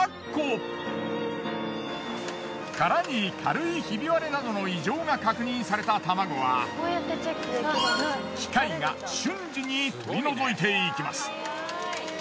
殻に軽いひび割れなどの異常が確認された卵は機械が瞬時に取り除いていきます。